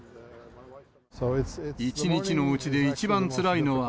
１日のうちで一番つらいのは、